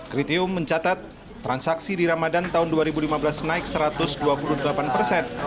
kritium mencatat transaksi di ramadan tahun dua ribu lima belas naik satu ratus dua puluh delapan persen